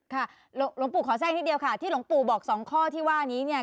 หลวงปู่ขอแทรกนิดเดียวค่ะที่หลวงปู่บอกสองข้อที่ว่านี้เนี่ย